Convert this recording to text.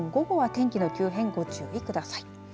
天気の急変にご注意ください。